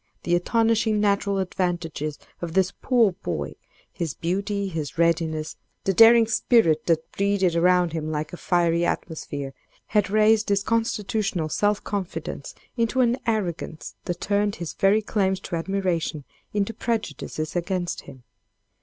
The astonishing natural advantages of this poor boy—his beauty, his readiness, the daring spirit that breathed around him like a fiery atmosphere—had raised his constitutional self confidence into an arrogance that turned his very claims to admiration into prejudices against him.